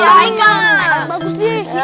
makan bagus dia isi